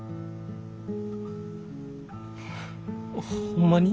ホンマに？